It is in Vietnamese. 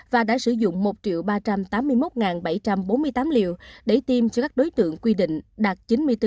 và đã sử dụng một ba trăm tám mươi một bảy trăm bốn mươi tám liều để tiêm cho các đối tượng quy định đạt chín mươi bốn bốn